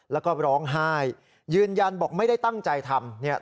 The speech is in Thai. แล้วก็ร้องไห้ยืนยันบอกไม่ได้ตั้งใจทำเนี่ย